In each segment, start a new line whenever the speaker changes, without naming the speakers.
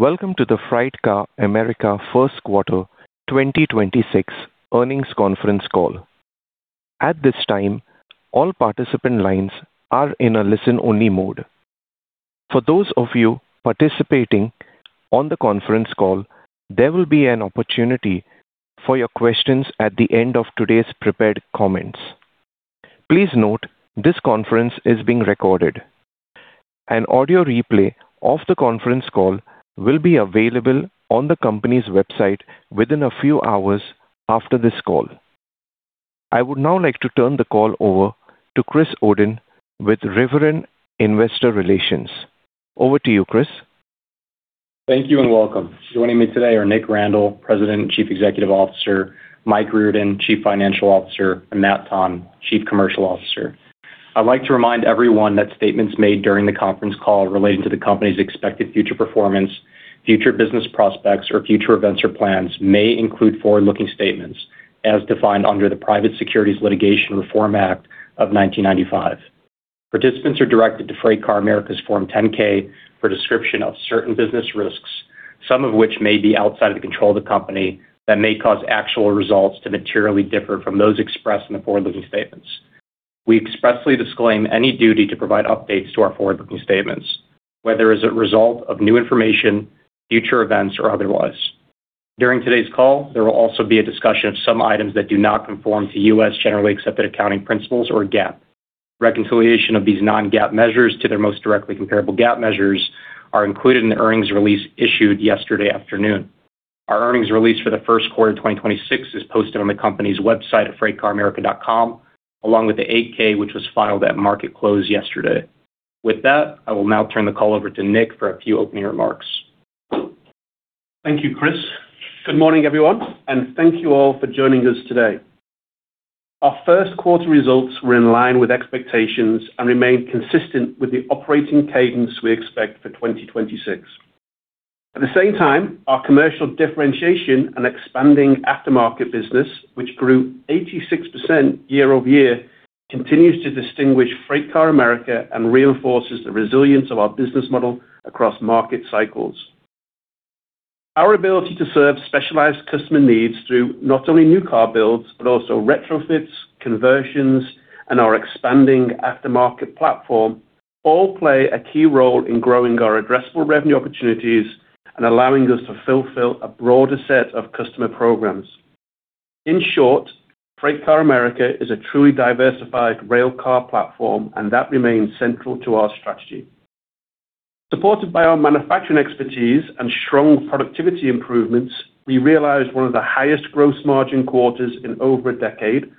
Welcome to the FreightCar America first quarter 2026 earnings conference call. At this time, all participant lines are in a listen-only mode. For those of you participating on the conference call, there will be an opportunity for your questions at the end of today's prepared comments. Please note this conference is being recorded. An audio replay of the conference call will be available on the company's website within a few hours after this call. I would now like to turn the call over to Chris Odeh with Riveron Investor Relations. Over to you, Chris.
Thank you and welcome. Joining me today are Nick Randall, President and Chief Executive Officer, Mike Riordan, Chief Financial Officer, and Matt Tonn, Chief Commercial Officer. I'd like to remind everyone that statements made during the conference call relating to the company's expected future performance, future business prospects, or future events or plans may include forward-looking statements as defined under the Private Securities Litigation Reform Act of 1995. Participants are directed to FreightCar America's Form 10-K for description of certain business risks, some of which may be outside of the control of the company that may cause actual results to materially differ from those expressed in the forward-looking statements. We expressly disclaim any duty to provide updates to our forward-looking statements, whether as a result of new information, future events, or otherwise. During today's call, there will also be a discussion of some items that do not conform to U.S. Generally Accepted Accounting Principles or GAAP. Reconciliation of these non-GAAP measures to their most directly comparable GAAP measures are included in the earnings release issued yesterday afternoon. Our earnings release for the first quarter 2026 is posted on the company's website at freightcaramerica.com along with the 8-K which was filed at market close yesterday. I will now turn the call over to Nick for a few opening remarks.
Thank you, Chris. Good morning, everyone, and thank you all for joining us today. Our first quarter results were in line with expectations and remain consistent with the operating cadence we expect for 2026. At the same time, our commercial differentiation and expanding aftermarket business, which grew 86% year-over-year, continues to distinguish FreightCar America and reinforces the resilience of our business model across market cycles. Our ability to serve specialized customer needs through not only new car builds but also retrofits, conversions, and our expanding aftermarket platform all play a key role in growing our addressable revenue opportunities and allowing us to fulfill a broader set of customer programs. In short, FreightCar America is a truly diversified rail car platform, and that remains central to our strategy. Supported by our manufacturing expertise and strong productivity improvements, we realized one of the highest gross margin quarters in over a decade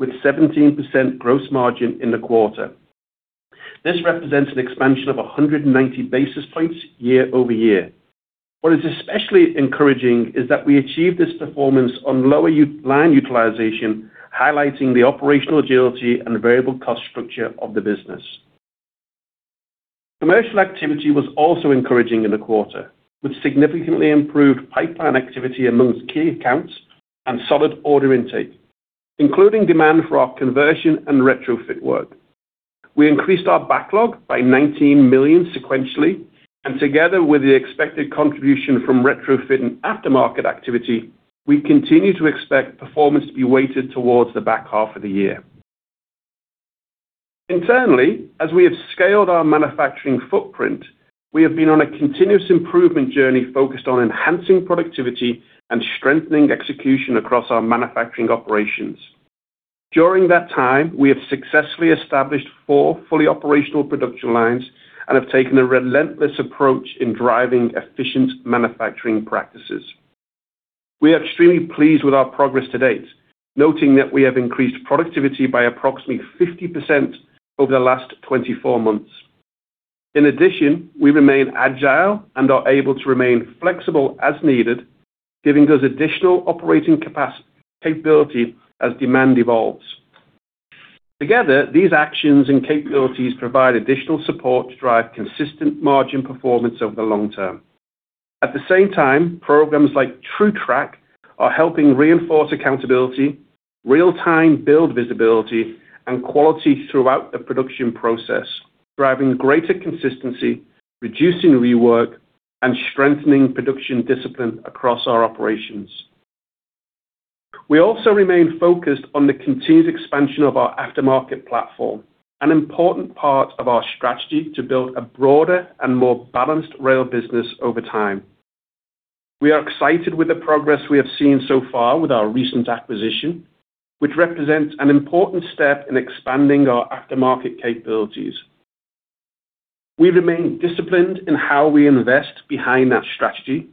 with 17% gross margin in the quarter. This represents an expansion of 190 basis points year-over-year. What is especially encouraging is that we achieved this performance on lower u- line utilization, highlighting the operational agility and variable cost structure of the business. Commercial activity was also encouraging in the quarter, with significantly improved pipeline activity amongst key accounts and solid order intake, including demand for our conversion and retrofit work. We increased our backlog by $19 million sequentially, and together with the expected contribution from retrofit and aftermarket activity, we continue to expect performance to be weighted towards the back half of the year. Internally, as we have scaled our manufacturing footprint, we have been on a continuous improvement journey focused on enhancing productivity and strengthening execution across our manufacturing operations. During that time, we have successfully established four fully operational production lines and have taken a relentless approach in driving efficient manufacturing practices. We are extremely pleased with our progress to date, noting that we have increased productivity by approximately 50% over the last 24 months. In addition, we remain agile and are able to remain flexible as needed, giving us additional operating capability as demand evolves. Together, these actions and capabilities provide additional support to drive consistent margin performance over the long term. At the same time, programs like TrueTrack are helping reinforce accountability, real-time build visibility, and quality throughout the production process, driving greater consistency, reducing rework, and strengthening production discipline across our operations. We also remain focused on the continued expansion of our aftermarket platform, an important part of our strategy to build a broader and more balanced rail business over time. We are excited with the progress we have seen so far with our recent acquisition, which represents an important step in expanding our aftermarket capabilities. We remain disciplined in how we invest behind that strategy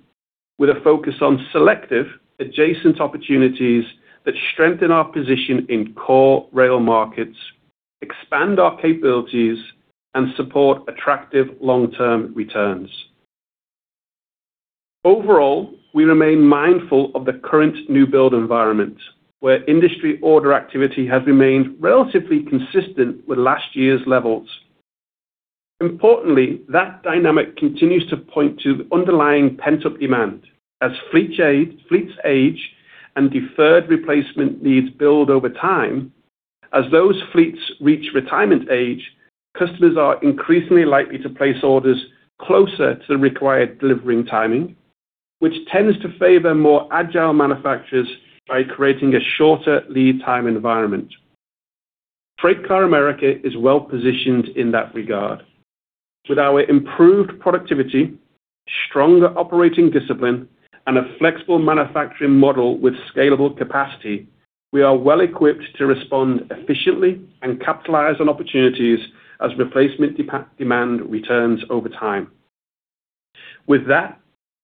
with a focus on selective adjacent opportunities that strengthen our position in core rail markets, expand our capabilities, and support attractive long-term returns. Overall, we remain mindful of the current new build environment, where industry order activity has remained relatively consistent with last year's levels. Importantly, that dynamic continues to point to underlying pent-up demand as fleets age and deferred replacement needs build over time. As those fleets reach retirement age, customers are increasingly likely to place orders closer to the required delivering timing, which tends to favor more agile manufacturers by creating a shorter lead time environment. FreightCar America is well-positioned in that regard. With our improved productivity, stronger operating discipline, and a flexible manufacturing model with scalable capacity, we are well-equipped to respond efficiently and capitalize on opportunities as replacement demand returns over time. With that,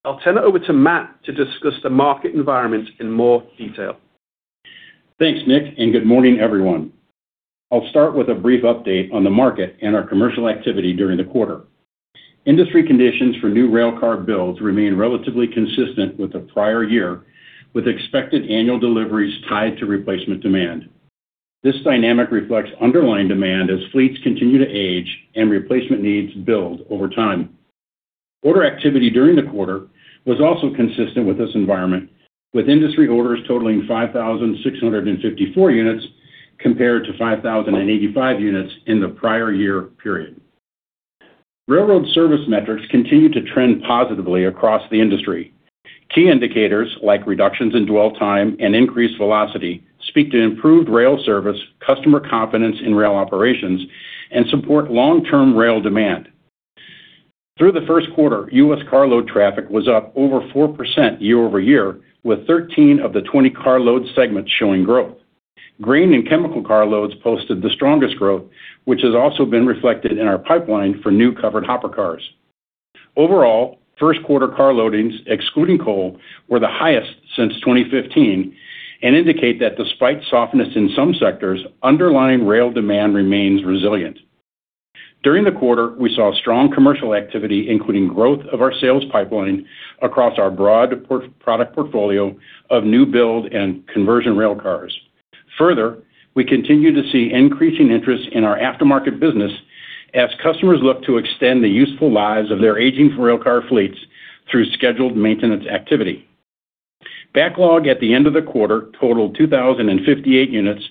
I'll turn it over to Matt to discuss the market environment in more detail.
Thanks, Nick, and good morning, everyone. I'll start with a brief update on the market and our commercial activity during the quarter. Industry conditions for new rail car builds remain relatively consistent with the prior year, with expected annual deliveries tied to replacement demand. This dynamic reflects underlying demand as fleets continue to age and replacement needs build over time. Order activity during the quarter was also consistent with this environment, with industry orders totaling 5,654 units compared to 5,085 units in the prior year period. Railroad service metrics continue to trend positively across the industry. Key indicators like reductions in dwell time and increased velocity speak to improved rail service, customer confidence in rail operations, and support long-term rail demand. Through the first quarter, U.S. carload traffic was up over 4% year-over-year, with 13 of the 20 carload segments showing growth. Grain and chemical car loads posted the strongest growth, which has also been reflected in our pipeline for new covered hopper cars. Overall, first quarter car loadings, excluding coal, were the highest since 2015 and indicate that despite softness in some sectors, underlying rail demand remains resilient. During the quarter, we saw strong commercial activity, including growth of our sales pipeline across our broad product portfolio of new build and conversion rail cars. Further, we continue to see increasing interest in our aftermarket business as customers look to extend the useful lives of their aging rail car fleets through scheduled maintenance activity. Backlog at the end of the quarter totaled 2,058 units,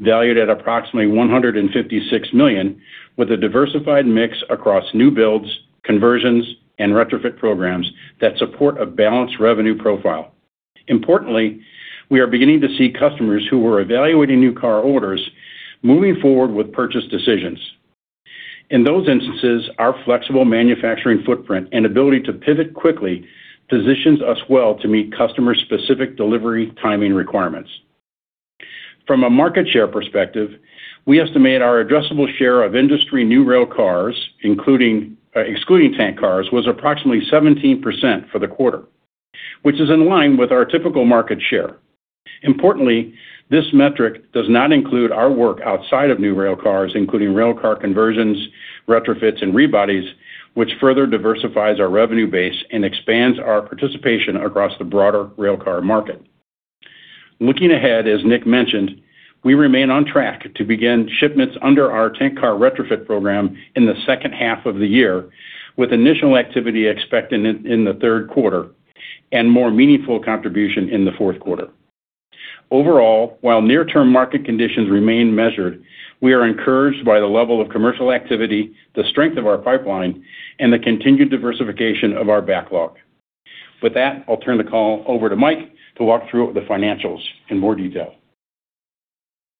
valued at approximately $156 million, with a diversified mix across new builds, conversions, and retrofit programs that support a balanced revenue profile. We are beginning to see customers who were evaluating new car orders moving forward with purchase decisions. In those instances, our flexible manufacturing footprint and ability to pivot quickly positions us well to meet customers' specific delivery timing requirements. From a market share perspective, we estimate our addressable share of industry new rail cars, excluding tank cars, was approximately 17% for the quarter, which is in line with our typical market share. This metric does not include our work outside of new rail cars, including rail car conversions, retrofits, and rebodies, which further diversifies our revenue base and expands our participation across the broader rail car market. Looking ahead, as Nick mentioned, we remain on track to begin shipments under our tank car retrofit program in the second half of the year, with initial activity expected in the third quarter and more meaningful contribution in the fourth quarter. Overall, while near-term market conditions remain measured, we are encouraged by the level of commercial activity, the strength of our pipeline, and the continued diversification of our backlog. With that, I'll turn the call over to Mike to walk through the financials in more detail.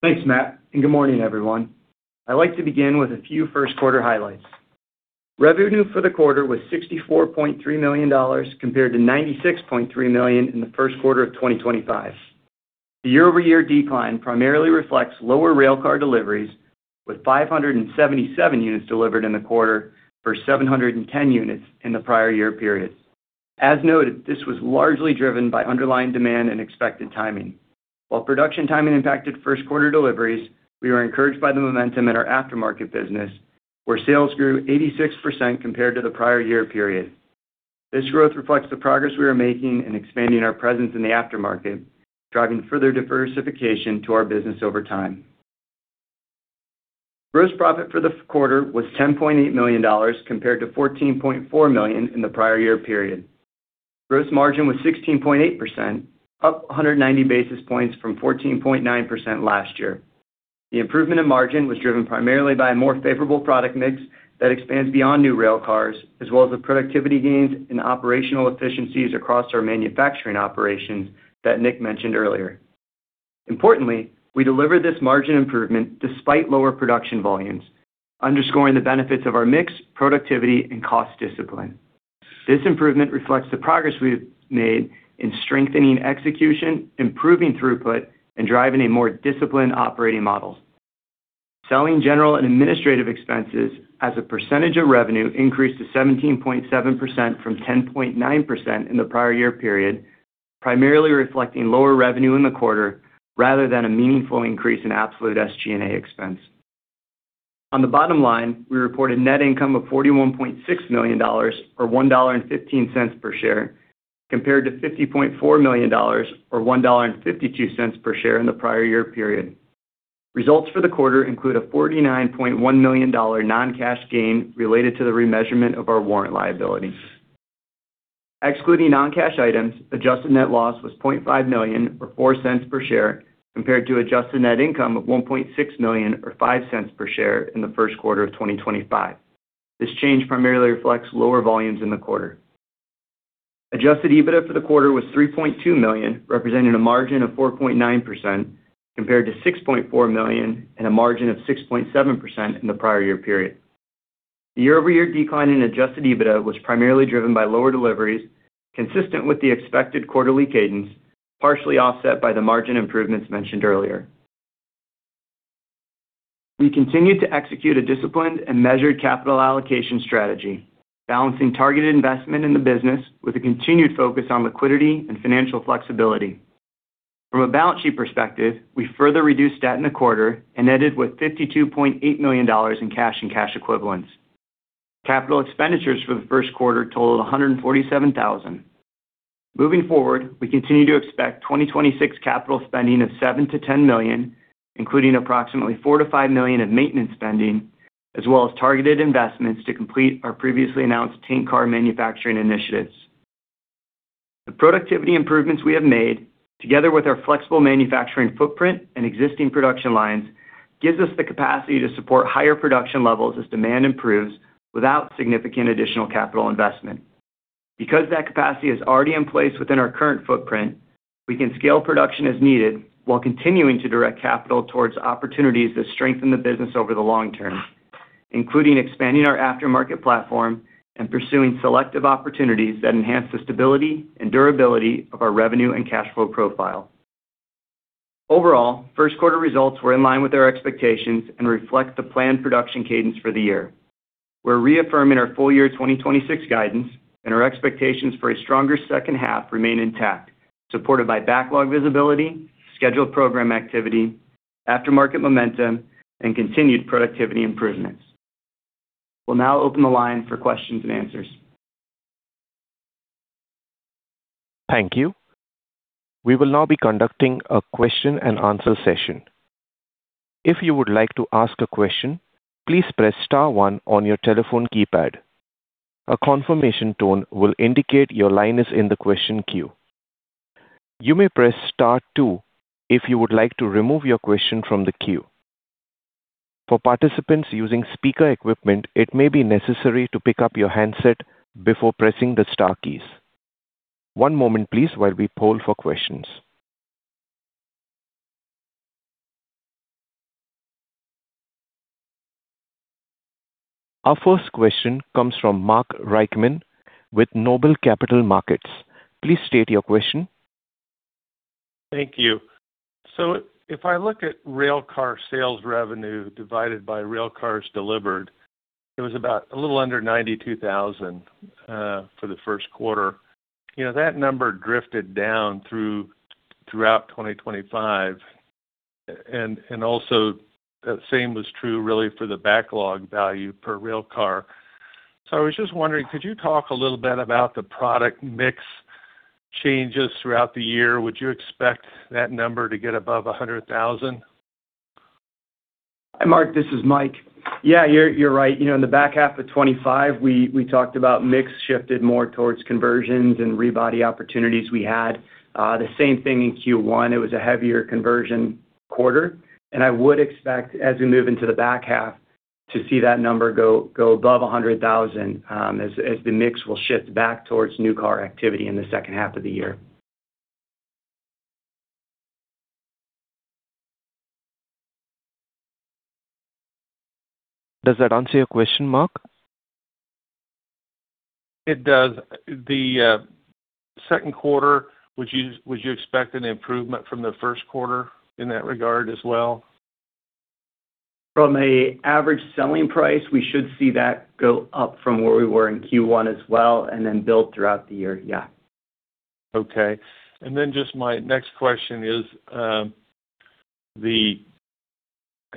Thanks, Matt, and good morning, everyone. I'd like to begin with a few first quarter highlights. Revenue for the quarter was $64.3 million compared to $96.3 million in the first quarter of 2025. The year-over-year decline primarily reflects lower rail car deliveries, with 577 units delivered in the quarter for 710 units in the prior year period. As noted, this was largely driven by underlying demand and expected timing. While production timing impacted first quarter deliveries, we were encouraged by the momentum in our aftermarket business, where sales grew 86% compared to the prior year period. This growth reflects the progress we are making in expanding our presence in the aftermarket, driving further diversification to our business over time. Gross profit for the quarter was $10.8 million compared to $14.4 million in the prior year period. Gross margin was 16.8%, up 190 basis points from 14.9% last year. The improvement in margin was driven primarily by a more favorable product mix that expands beyond new rail cars as well as the productivity gains and operational efficiencies across our manufacturing operations that Nick mentioned earlier. Importantly, we delivered this margin improvement despite lower production volumes, underscoring the benefits of our mix, productivity, and cost discipline. This improvement reflects the progress we have made in strengthening execution, improving throughput, and driving a more disciplined operating model. Selling, general, and administrative expenses as a percentage of revenue increased to 17.7% from 10.9% in the prior year period, primarily reflecting lower revenue in the quarter rather than a meaningful increase in absolute SG&A expense. On the bottom line, we reported net income of $41.6 million, or $1.15 per share, compared to $50.4 million, or $1.52 per share in the prior year period. Results for the quarter include a $49.1 million non-cash gain related to the remeasurement of our warrant liability. Excluding non-cash items, adjusted net loss was $0.5 million, or $0.04 per share, compared to adjusted net income of $1.6 million or $0.05 per share in the first quarter of 2025. This change primarily reflects lower volumes in the quarter. Adjusted EBITDA for the quarter was $3.2 million, representing a margin of 4.9% compared to $6.4 million and a margin of 6.7% in the prior year period. The year-over-year decline in adjusted EBITDA was primarily driven by lower deliveries, consistent with the expected quarterly cadence, partially offset by the margin improvements mentioned earlier. We continue to execute a disciplined and measured capital allocation strategy, balancing targeted investment in the business with a continued focus on liquidity and financial flexibility. From a balance sheet perspective, we further reduced debt in the quarter and ended with $52.8 million in cash and cash equivalents. Capital expenditures for the first quarter totaled $147,000. Moving forward, we continue to expect 2026 capital spending of $7 million-$10 million, including approximately $4 million-$5 million in maintenance spending, as well as targeted investments to complete our previously announced tank car manufacturing initiatives. The productivity improvements we have made, together with our flexible manufacturing footprint and existing production lines, gives us the capacity to support higher production levels as demand improves without significant additional capital investment. That capacity is already in place within our current footprint, we can scale production as needed while continuing to direct capital towards opportunities that strengthen the business over the long term, including expanding our aftermarket platform and pursuing selective opportunities that enhance the stability and durability of our revenue and cash flow profile. Overall, first quarter results were in line with our expectations and reflect the planned production cadence for the year. We're reaffirming our full year 2026 guidance and our expectations for a stronger second half remain intact, supported by backlog visibility, scheduled program activity, aftermarket momentum and continued productivity improvements. We'll now open the line for questions and answers.
Thank you. We will now be conducting a question and answer session. If you will like to ask a question please press star one on your telephone keypad, a confirmation tone will indicate your line is in the question queue. You may press star two if you will like to remove your question from the queue. For participants using speaker equipment, it may be necessary to pick up your handset before pressing the star keys. One moment please, while we poll for questions. Our first question comes from Mark Reichman with Noble Capital Markets. Please state your question.
Thank you. If I look at railcar sales revenue divided by railcars delivered, it was about a little under $92,000 for the first quarter. You know, that number drifted down throughout 2025. Also the same was true really for the backlog value per railcar. I was just wondering, could you talk a little bit about the product mix changes throughout the year? Would you expect that number to get above $100,000?
Hi, Mark, this is Mike. Yeah, you're right. You know, in the back half of 2025, we talked about mix shifted more towards conversions and rebody opportunities we had. The same thing in Q1. It was a heavier conversion quarter, and I would expect as we move into the back half to see that number go above $100,000 as the mix will shift back towards new car activity in the second half of the year.
Does that answer your question, Mark?
It does. The, second quarter, would you expect an improvement from the first quarter in that regard as well?
From an average selling price, we should see that go up from where we were in Q1 as well, and then build throughout the year. Yeah.
Okay. Just my next question is, I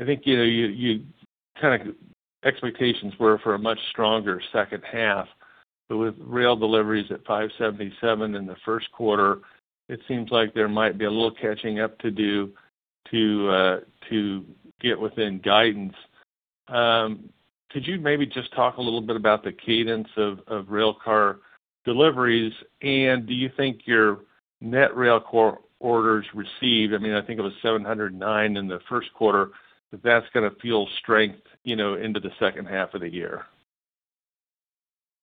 think, you know, you kind of expectations were for a much stronger second half, with rail deliveries at 577 units in the first quarter, it seems like there might be a little catching up to do to get within guidance. Could you maybe just talk a little bit about the cadence of railcar deliveries? Do you think your net railcar orders received, I mean, I think it was 709 units in the first quarter, if that's gonna fuel strength, you know, into the second half of the year?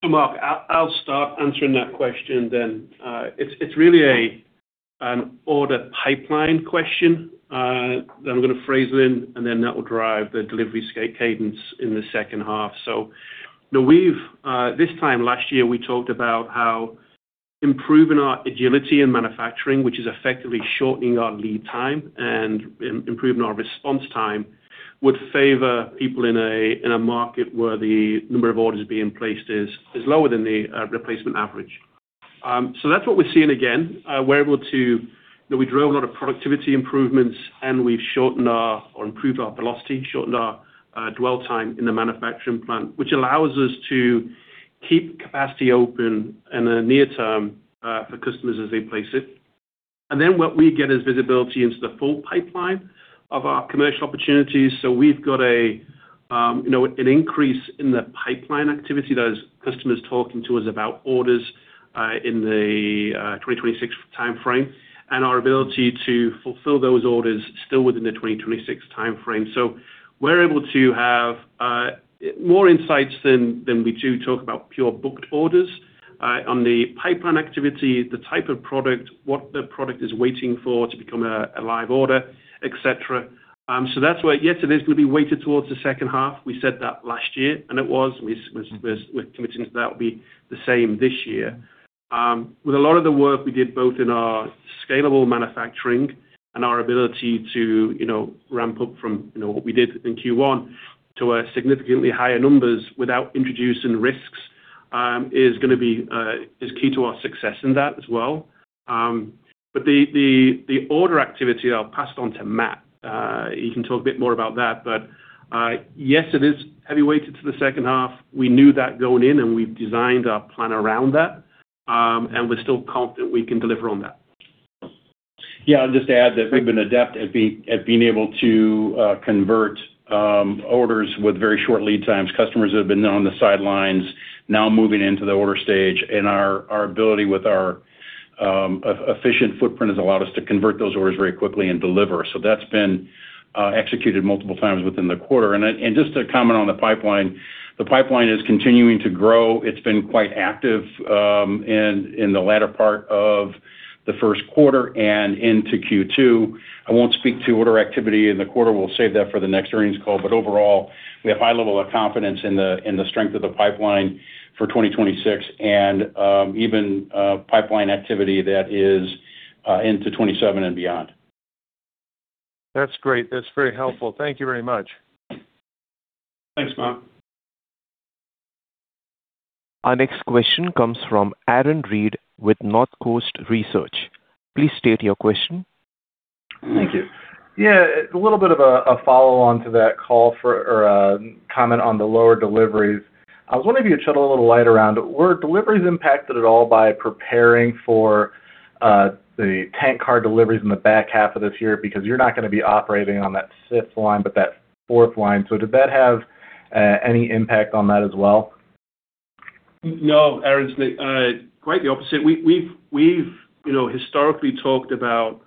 Mark, I'll start answering that question then. It's really an order pipeline question that I'm going to phrase it in, and then that will drive the delivery cadence in the second half. Now this time last year, we talked about how improving our agility in manufacturing, which is effectively shortening our lead time and improving our response time, would favor people in a market where the number of orders being placed is lower than the replacement average. That's what we're seeing again. We're able to You know, we drove a lot of productivity improvements, we've improved our velocity, shortened our dwell time in the manufacturing plant, which allows us to keep capacity open in the near term for customers as they place it. What we get is visibility into the full pipeline of our commercial opportunities. We've got a, you know, an increase in the pipeline activity. That is customers talking to us about orders in the 2026 timeframe and our ability to fulfill those orders still within the 2026 timeframe. We're able to have more insights than we do talk about pure booked orders on the pipeline activity, the type of product, what the product is waiting for to become a live order, et cetera. That's where, yes, it is going to be weighted towards the second half. We said that last year, and it was. We're committing to that will be the same this year. With a lot of the work we did both in our scalable manufacturing and our ability to, you know, ramp up from, you know, what we did in Q1 to significantly higher numbers without introducing risks, is gonna be key to our success in that as well. The order activity I'll pass on to Matt. He can talk a bit more about that. Yes, it is heavy weighted to the second half. We knew that going in, and we've designed our plan around that. We're still confident we can deliver on that.
Yeah. I'll just add that we've been adept at being able to convert orders with very short lead times. Customers that have been on the sidelines now moving into the order stage, and our ability with our efficient footprint has allowed us to convert those orders very quickly and deliver. That's been executed multiple times within the quarter. Just to comment on the pipeline, the pipeline is continuing to grow. It's been quite active in the latter part of the first quarter and into Q2. I won't speak to order activity in the quarter. We'll save that for the next earnings call. Overall, we have high level of confidence in the strength of the pipeline for 2026 and even pipeline activity that is into 2027 and beyond.
That's great. That's very helpful. Thank you very much.
Thanks, Mark.
Our next question comes from Aaron Reed with Northcoast Research. Please state your question.
Thank you. Yeah. A little bit of a follow-on to that call or comment on the lower deliveries. I was wondering if you'd shed a little light around were deliveries impacted at all by preparing for the tank car deliveries in the back half of this year because you're not gonna be operating on that fifth line but that fourth line. Did that have any impact on that as well?
No, Aaron. Quite the opposite. We've, you know, historically talked about,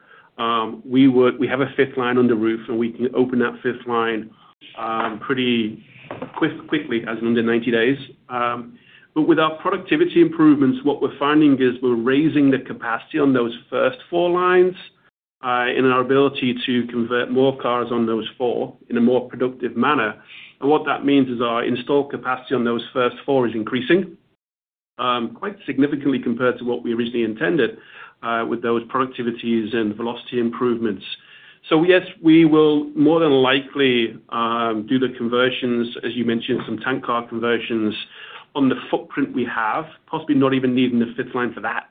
we have a fifth line on the roof, and we can open that fifth line, pretty quickly, as in under 90 days. With our productivity improvements, what we're finding is we're raising the capacity on those first four lines, in our ability to convert more cars on those four in a more productive manner. What that means is our installed capacity on those first four is increasing, quite significantly compared to what we originally intended, with those productivities and velocity improvements. Yes, we will more than likely, do the conversions, as you mentioned, some tank car conversions on the footprint we have, possibly not even needing the fifth line for that.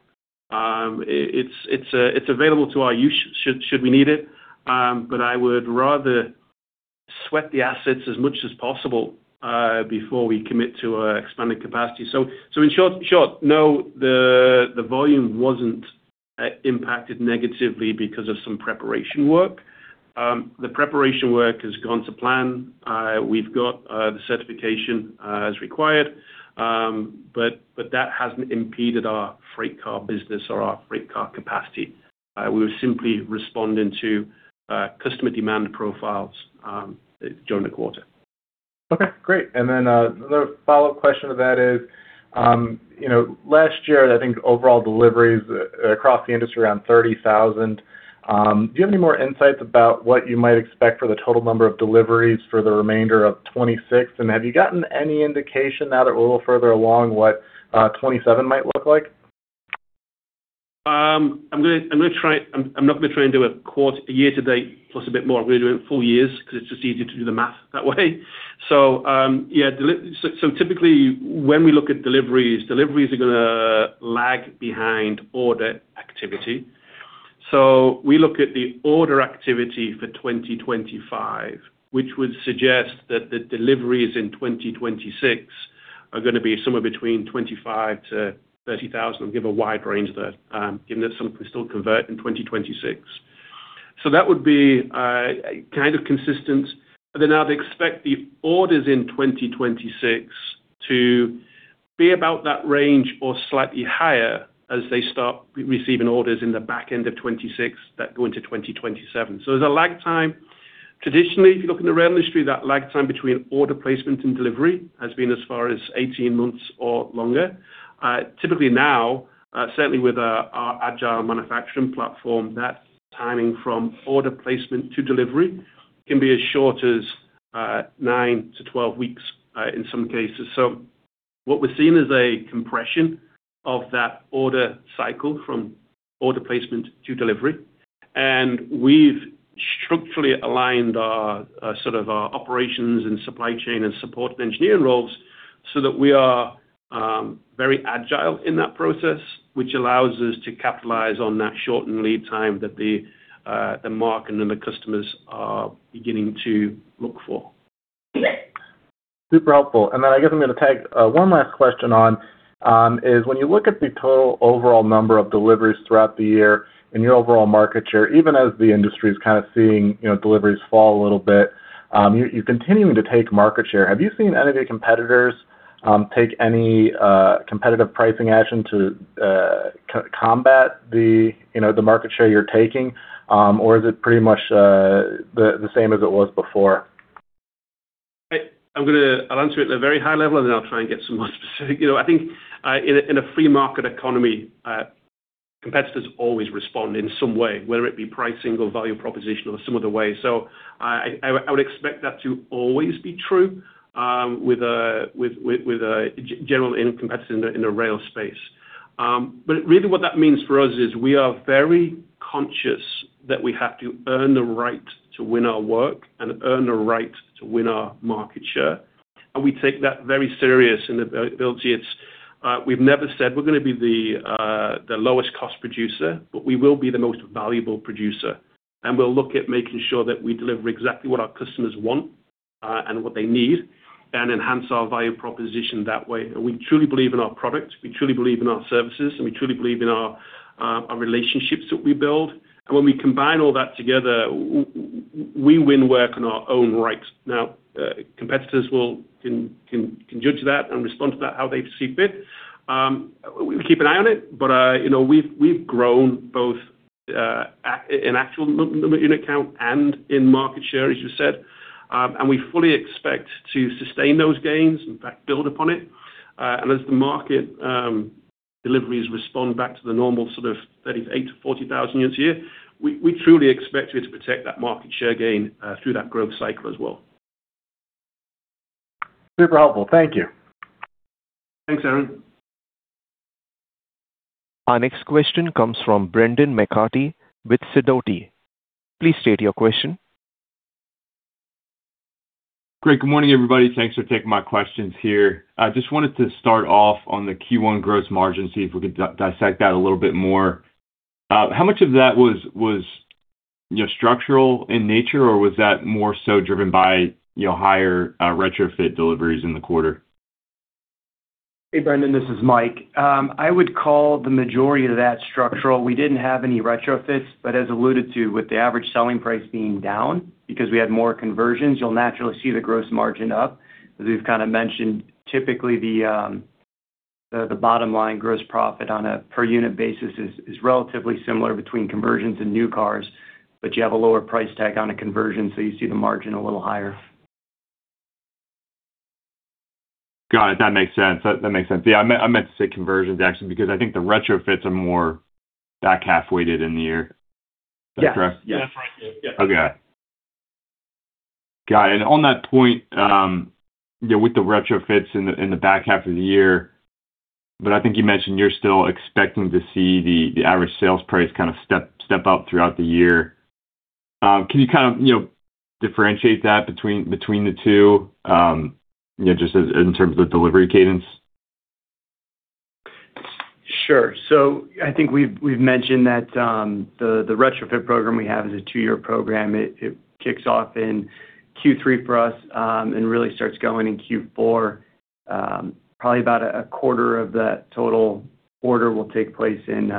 It's available to our use should we need it, but I would rather sweat the assets as much as possible before we commit to expanded capacity. In short, no, the volume wasn't impacted negatively because of some preparation work. The preparation work has gone to plan. We've got the certification as required. That hasn't impeded our freight car business or our freight car capacity. We were simply responding to customer demand profiles during the quarter.
Okay, great. Then, another follow-up question to that is, you know, last year, I think overall deliveries across the industry around 30,000 units. Do you have any more insights about what you might expect for the total number of deliveries for the remainder of 2026? Have you gotten any indication now that we're a little further along what 2027 might look like?
I'm not gonna try and do a quarter-year to date plus a bit more. We're gonna do it in full years because it's just easier to do the math that way. Typically, when we look at deliveries are gonna lag behind order activity. We look at the order activity for 2025, which would suggest that the deliveries in 2026 are gonna be somewhere between 25,000 units-30,000 units. I'll give a wide range there, given that some can still convert in 2026. That would be kind of consistent. I'd expect the orders in 2026 to be about that range or slightly higher as they start receiving orders in the back end of 2026 that go into 2027. There's a lag time. Traditionally, if you look in the rail industry, that lag time between order placement and delivery has been as far as 18 months or longer. Typically now, certainly with our agile manufacturing platform, that timing from order placement to delivery can be as short as nine to 12 weeks in some cases. What we're seeing is a compression of that order cycle from order placement to delivery. We've structurally aligned our, sort of our operations and supply chain and support and engineering roles so that we are very agile in that process, which allows us to capitalize on that shortened lead time that the market and the customers are beginning to look for.
Super helpful. I guess I'm gonna tag one last question on, is when you look at the total overall number of deliveries throughout the year and your overall market share, even as the industry is kind of seeing, you know, deliveries fall a little bit, you're continuing to take market share. Have you seen any of your competitors take any competitive pricing action to combat the, you know, the market share you're taking? Or is it pretty much the same as it was before?
I'll answer it at a very high level, and then I'll try and get some more specific. You know, I think, in a free market economy, competitors always respond in some way, whether it be pricing or value proposition or some other way. I would expect that to always be true, with a general competitiveness in the rail space. Really what that means for us is we are very conscious that we have to earn the right to win our work and earn the right to win our market share. We take that very serious in the build, it's, we've never said we're gonna be the lowest cost producer, but we will be the most valuable producer, and we'll look at making sure that we deliver exactly what our customers want, and what they need and enhance our value proposition that way. We truly believe in our product, we truly believe in our services, and we truly believe in our relationships that we build. When we combine all that together, we win work on our own right. Now, competitors can judge that and respond to that how they see fit. We keep an eye on it, but, you know, we've grown both in actual account and in market share, as you said. We fully expect to sustain those gains, in fact, build upon it. As the market deliveries respond back to the normal sort of 38,000 to 40,000 units a year, we truly expect to protect that market share gain through that growth cycle as well.
Super helpful. Thank you.
Thanks, Aaron.
Our next question comes from Brendan McCarthy with Sidoti. Please state your question.
Great. Good morning, everybody. Thanks for taking my questions here. I just wanted to start off on the Q1 gross margin, see if we could dissect that a little bit more. How much of that was, you know, structural in nature, or was that more so driven by, you know, higher retrofit deliveries in the quarter?
Hey, Brendan, this is Mike. I would call the majority of that structural. We didn't have any retrofits, but as alluded to, with the average selling price being down because we had more conversions, you'll naturally see the gross margin up. As we've kind of mentioned, typically the bottom line gross profit on a per unit basis is relatively similar between conversions and new cars, but you have a lower price tag on a conversion, so you see the margin a little higher.
Got it. That makes sense. That makes sense. Yeah, I meant to say conversions, actually, because I think the retrofits are more back half weighted in the year. Is that correct?
Yes.
That's right. Yeah.
Okay. Got it. On that point, you know, with the retrofits in the back half of the year, but I think you mentioned you're still expecting to see the average sales price kind of step up throughout the year. Can you, kind of, you know, differentiate that between the two, you know, just as in terms of delivery cadence?
Sure. I think we've mentioned that the retrofit program we have is a two year program. It kicks off in Q3 for us and really starts going in Q4. Probably about a quarter of that total order will take place in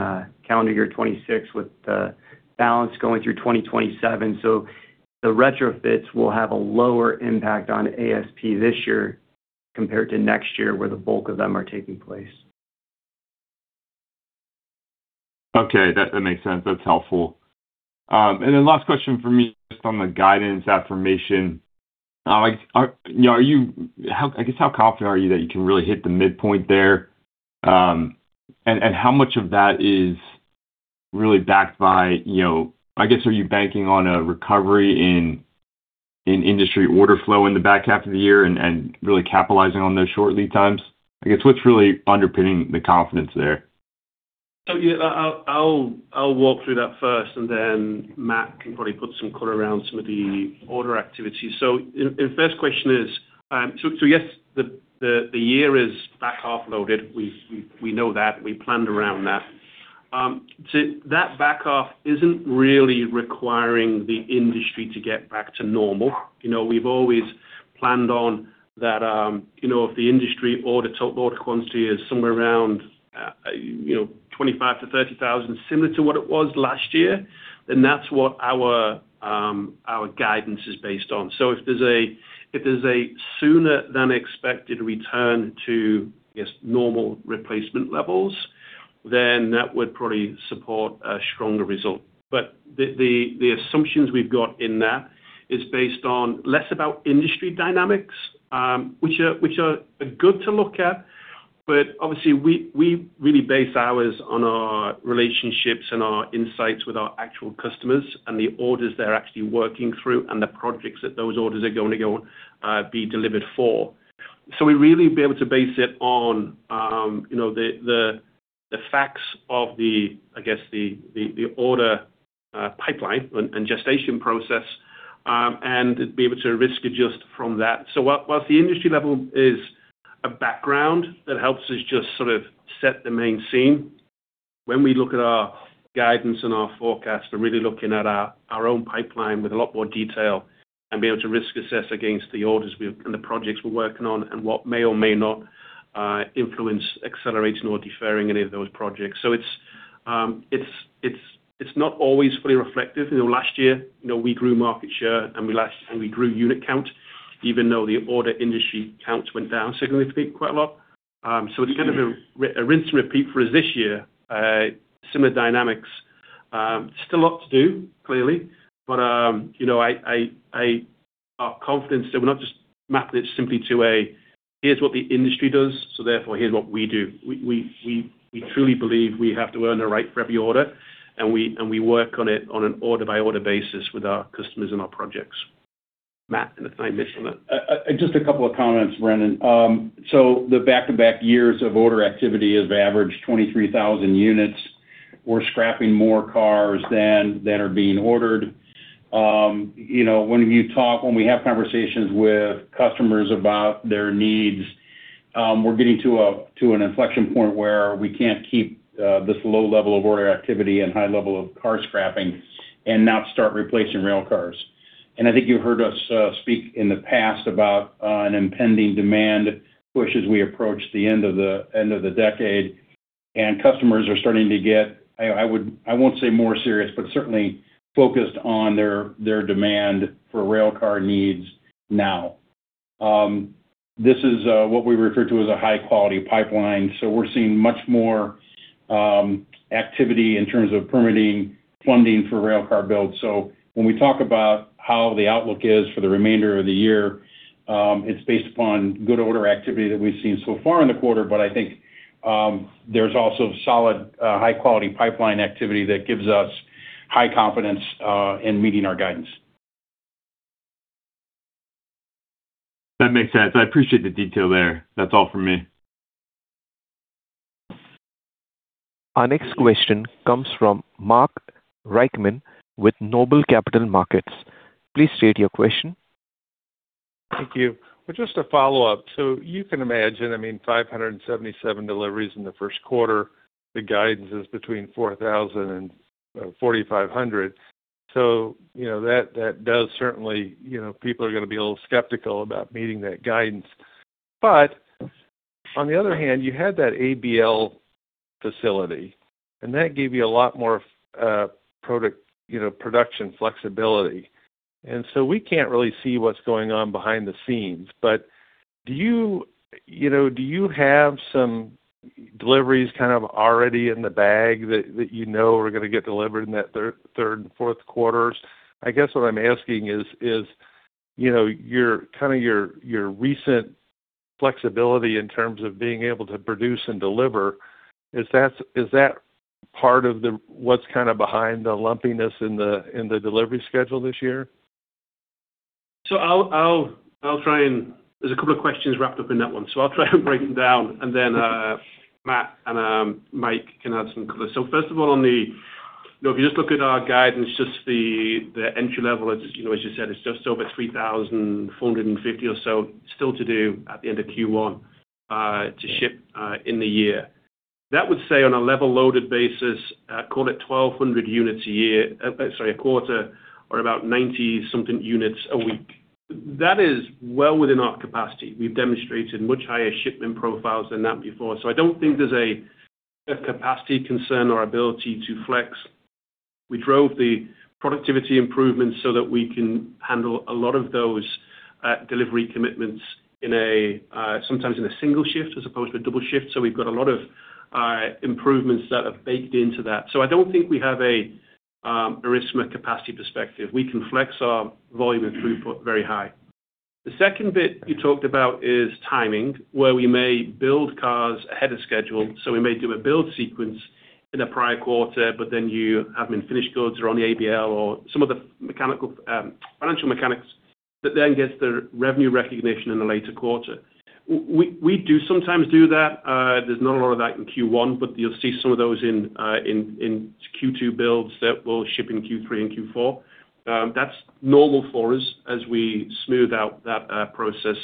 calendar year 2026, with the balance going through 2027. The retrofits will have a lower impact on ASP this year compared to next year, where the bulk of them are taking place.
Okay. That makes sense. That's helpful. Then last question from me, just on the guidance affirmation. How, I guess, how confident are you that you can really hit the midpoint there? And how much of that is really backed by, you know, I guess, are you banking on a recovery in industry order flow in the back half of the year and really capitalizing on those short lead times? I guess, what's really underpinning the confidence there?
Yeah. I'll walk through that first, and then Matt can probably put some color around some of the order activity. First question is, yes, the year is back half loaded. We know that. We planned around that. That back half isn't really requiring the industry to get back to normal. You know, we've always planned on that, you know, if the industry order quantity is somewhere around 25,000 units-30,000 units, similar to what it was last year, then that's what our guidance is based on. If there's a sooner than expected return to, I guess, normal replacement levels, then that would probably support a stronger result. The assumptions we've got in there is based on less about industry dynamics, which are good to look at, but obviously we really base ours on our relationships and our insights with our actual customers and the orders they're actually working through and the projects that those orders are gonna go be delivered for. We really be able to base it on, you know, the facts of the, I guess, the order pipeline and gestation process, and be able to risk adjust from that. Whilst the industry level is a background that helps us just sort of set the main scene. When we look at our guidance and our forecast, we're really looking at our own pipeline with a lot more detail and be able to risk assess against the orders and the projects we're working on and what may or may not influence accelerating or deferring any of those projects. It's not always fully reflective. You know, last year, you know, we grew market share, and we grew unit count, even though the order industry counts went down significantly, quite a lot. It's kind of a rinse and repeat for us this year. Similar dynamics. Still a lot to do, clearly. You know, our confidence that we're not just mapping it simply to a, "Here's what the industry does, so therefore here's what we do." We truly believe we have to earn the right for every order, and we work on it on an order by order basis with our customers and our projects. Matt, anything I missed on that?
Just a couple of comments, Brendan. The back-to-back years of order activity has averaged 23,000 units. We're scrapping more cars than are being ordered. You know, when we have conversations with customers about their needs, we're getting to an inflection point where we can't keep this low level of order activity and high level of car scrapping and not start replacing rail cars. I think you heard us speak in the past about an impending demand push as we approach the end of the decade. Customers are starting to get, I won't say more serious, but certainly focused on their demand for rail car needs now. This is what we refer to as a high quality pipeline, so we're seeing much more activity in terms of permitting funding for rail car build. When we talk about how the outlook is for the remainder of the year, it's based upon good order activity that we've seen so far in the quarter. I think there's also solid high quality pipeline activity that gives us high confidence in meeting our guidance.
That makes sense. I appreciate the detail there. That's all for me.
Our next question comes from Mark Reichman with Noble Capital Markets. Please state your question.
Thank you. Well, just a follow-up. You can imagine, I mean, 577 units deliveries in the first quarter. The guidance is between 4,000 units and 4,500 units. You know, that does certainly, you know, people are gonna be a little skeptical about meeting that guidance. On the other hand, you had that ABL facility, and that gave you a lot more product, you know, production flexibility. We can't really see what's going on behind the scenes. Do you know, do you have some deliveries kind of already in the bag that you know are gonna get delivered in that third and fourth quarters? I guess what I'm asking is, you know, your recent flexibility in terms of being able to produce and deliver, is that part of the what's kinda behind the lumpiness in the delivery schedule this year?
There's a couple of questions wrapped up in that one, I'll try and break them down and then Matt and Mike can add some color. First of all, on the, you know, if you just look at our guidance, just the entry level, as, you know, as you said, it's just over 3,450 units or so still to do at the end of Q1 to ship in the year. That would say on a level loaded basis, call it 1,200 units a year, sorry, a quarter or about 90 something units a week. That is well within our capacity. We've demonstrated much higher shipment profiles than that before. I don't think there's a capacity concern or ability to flex. We drove the productivity improvements so that we can handle a lot of those, delivery commitments in a, sometimes in a single shift as opposed to a double shift. We've got a lot of improvements that have baked into that. I don't think we have a risk from a capacity perspective. We can flex our volume and throughput very high. The second bit you talked about is timing, where we may build cars ahead of schedule. We may do a build sequence in a prior quarter, you have them in finished goods or on the ABL or some of the financial mechanics gets the revenue recognition in a later quarter. We do sometimes do that. There's not a lot of that in Q1, but you'll see some of those in Q2 builds that will ship in Q3 and Q4. That's normal for us as we smooth out that process.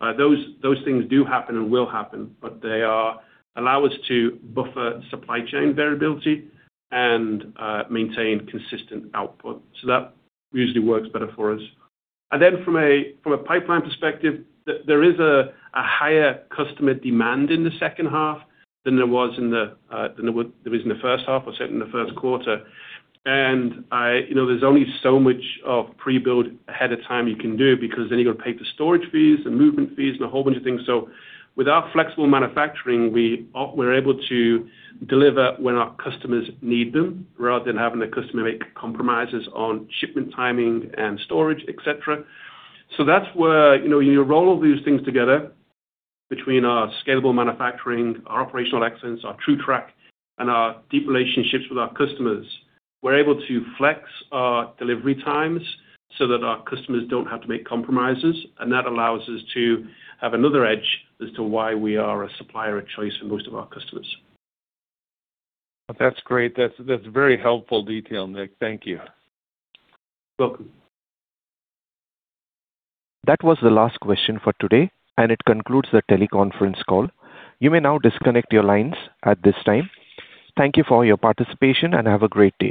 Those things do happen and will happen, but they allow us to buffer supply chain variability and maintain consistent output. That usually works better for us. From a pipeline perspective, there is a higher customer demand in the second half than there was in the first half or certainly in the first quarter. I, you know, there's only so much of pre-build ahead of time you can do because then you've got to pay for storage fees and movement fees and a whole bunch of things. With our flexible manufacturing, we're able to deliver when our customers need them, rather than having the customer make compromises on shipment timing and storage, et cetera. That's where, you know, when you roll all these things together, between our scalable manufacturing, our operational excellence, our TrueTrack, and our deep relationships with our customers, we're able to flex our delivery times so that our customers don't have to make compromises. That allows us to have another edge as to why we are a supplier of choice for most of our customers.
That's great. That's very helpful detail, Nick. Thank you.
Welcome.
That was the last question for today, and it concludes the teleconference call. You may now disconnect your lines at this time. Thank you for your participation, and have a great day.